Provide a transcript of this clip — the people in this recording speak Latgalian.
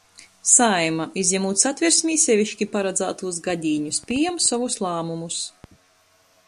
Saeima, izjamūt Satversmē seviški paradzātūs gadīņus, pījam sovus lāmumus